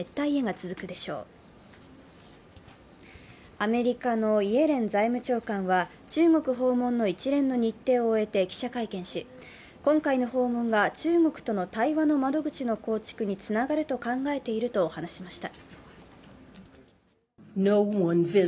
アメリカのイエレン財務長官は中国訪問の一連の日程を終えて記者会見し、今回の訪問が中国との対話の窓口の構築につながると考えていると話しました。